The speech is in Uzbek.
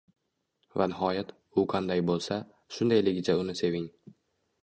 Va nihoyat, u qanday bo‘lsa, shundayligicha uni seving.